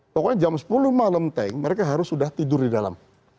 pokoknya jam sepuluh malam tank mereka harus sudah tidur di dalam